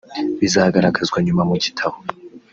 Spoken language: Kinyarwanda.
bizagaragazwa nyuma mu gitabo